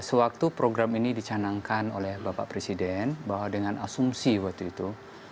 sewaktu program ini dicanangkan oleh bapak presiden bahwa dengan asumsi waktu itu